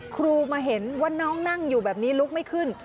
ครูมาเห็นว่าน้องนั่งอยู่แบบนี้ลุกไม่ขึ้น